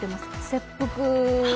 切腹？